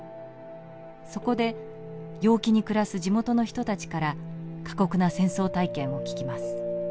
そこで陽気に暮らす地元の人たちから過酷な戦争体験を聞きます。